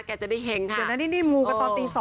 แกจะได้เห็งค่ะเดี๋ยวนั้นนี่มูกันตอนตี๒